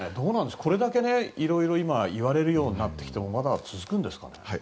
これだけいろいろ言われるようになってもまだ続くんですか？